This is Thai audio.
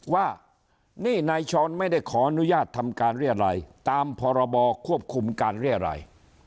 ว่านี่นายช้อนไม่ได้ขออนุญาตทำการเรียรัยตามพรบควบคุมการเรียรัย